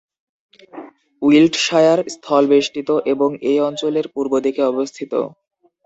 Wiltshire স্থলবেষ্টিত এবং এই অঞ্চলের পূর্ব দিকে অবস্থিত।